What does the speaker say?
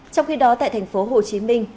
trong khi đó tại thành phố hồ chí minh